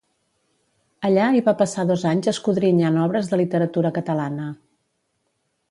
Allà hi va passar dos anys escodrinyant obres de literatura catalana.